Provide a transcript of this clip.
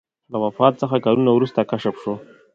له وفات څخه کلونه وروسته کشف شو.